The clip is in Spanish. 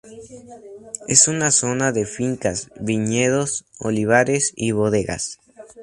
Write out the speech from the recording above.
Es una zona de fincas, viñedos, olivares y bodegas.